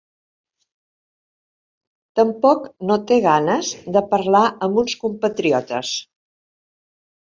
Tampoc no té ganes de parlar amb uns compatriotes.